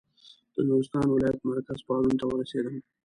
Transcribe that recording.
د نورستان ولایت مرکز پارون ته ورسېدم.